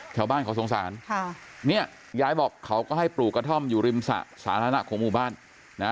ชาวบ้านเขาสงสารค่ะเนี่ยยายบอกเขาก็ให้ปลูกกระท่อมอยู่ริมสระสาธารณะของหมู่บ้านนะ